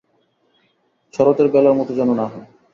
শরতের বেলার মত যেন না হয়।